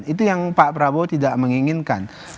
itu yang pak prabowo tidak menginginkan